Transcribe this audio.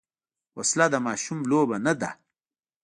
وسله د ماشوم لوبه نه ده